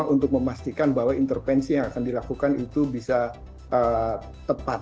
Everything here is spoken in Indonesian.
untuk memastikan bahwa intervensi yang akan dilakukan itu bisa tepat